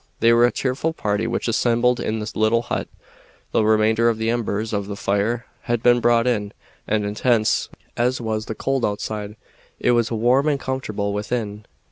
They were a cheerful party which assembled in the little hut. The remainder of the embers of the fire had been brought in, and, intense as was the cold outside, it was warm and comfortable within.